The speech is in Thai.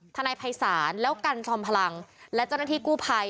ทนายภัยศาลแล้วกันจอมพลังและเจ้าหน้าที่กู้ภัย